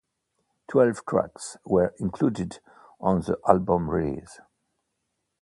Twelve tracks were included on the album release.